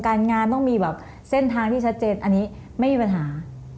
การงานต้องมีแบบเส้นทางที่ชัดเจนอันนี้ไม่มีปัญหา